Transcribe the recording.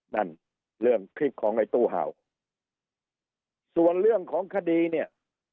นั่นเรื่องคลิปของไอ้ตู้เห่าส่วนเรื่องของคดีเนี่ย